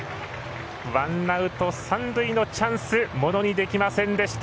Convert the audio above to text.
ワンアウト、三塁のチャンスものにできませんでした。